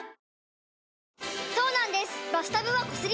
そうなんです